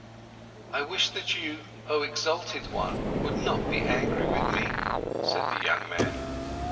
"I wish that you, oh exalted one, would not be angry with me," said the young man.